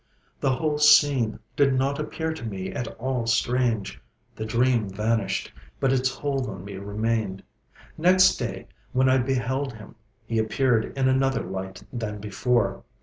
The whole scene did not appear to me at all strange. The dream vanished, but its hold on me remained. Next day when I beheld him he appeared in another light than before.